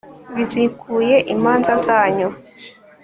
bizikuye imanza zanyu